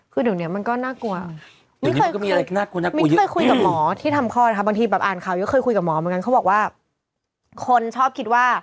คือเดี๋ยวนี้มันก็น่ากลัว